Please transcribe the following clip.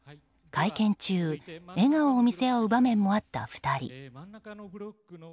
会見中、笑顔を見せ合う場面もあった２人。